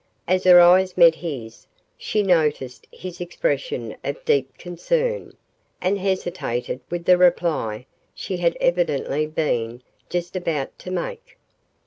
As her eyes met his, she noticed his expression of deep concern, and hesitated with the reply she had evidently been just about to make.